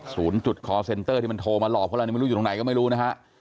ศูนย์จุดคอร์เซนเตอร์ที่มันโทรมาหลอกเขามันอยู่ตรงไหนก็ไม่รู้นะครับ